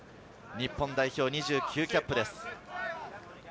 日本代表２９キャップです。